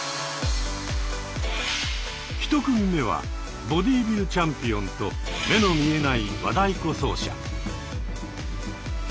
１組目はボディービルチャンピオンと目の見えない和太鼓奏者。